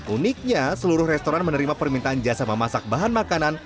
uniknya seluruh restoran menerima permintaan jasa memasak bahan makanan